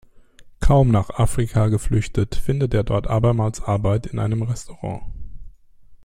Kaum nach Afrika geflüchtet, findet er dort abermals Arbeit in einem Restaurant.